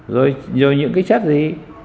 rồi những cái chất gì